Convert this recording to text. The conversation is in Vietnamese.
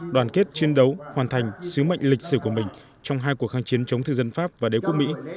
đoàn kết chiến đấu hoàn thành sứ mệnh lịch sử của mình trong hai cuộc kháng chiến chống thư dân pháp và đế quốc mỹ